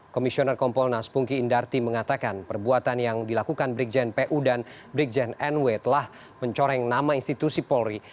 komisioner kompolnas pungki indarti mengatakan perbuatan yang dilakukan brigjen pu dan brigjen nw telah mencoreng nama institusi polri